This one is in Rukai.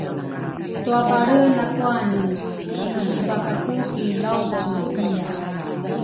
twabelre nakuane ikilibakaku ki Laucu iya.